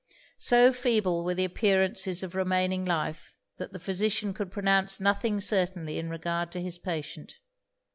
So feeble were the appearances of remaining life, that the physician could pronounce nothing certainly in regard to his patient.